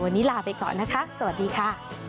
วันนี้ลาไปก่อนนะคะสวัสดีค่ะ